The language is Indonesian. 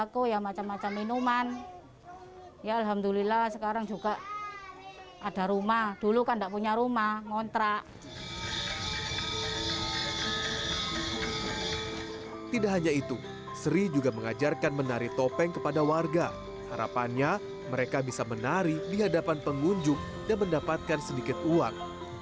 kampung topeng jawa timur